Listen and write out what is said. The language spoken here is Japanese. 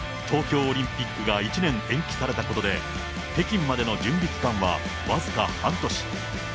東京オリンピックが１年延期されたことで、北京までの準備期間は僅か半年。